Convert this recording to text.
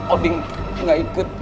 odin gak ikut